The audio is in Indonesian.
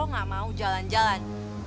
lo gak mau jalan jalan